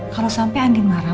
kalau sampai andien marah